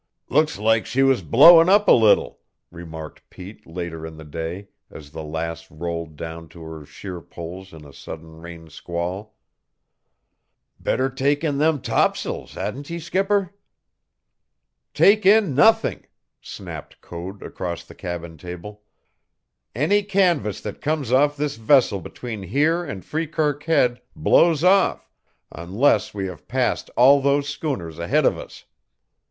"Looks like she was blowin' up a little!" remarked Pete later in the day as the Lass rolled down to her sheerpoles in a sudden rain squall. "Better take in them tops'ls, hadn't ye, skipper?" "Take in nothing!" snapped Code across the cabin table. "Any canvas that comes off this vessel between here and Freekirk Head blows off, unless we have passed all those schooners ahead of us.